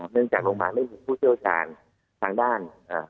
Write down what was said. เนื่องจากโรงพยาบาลไม่มีผู้เชี่ยวชาญทางด้าน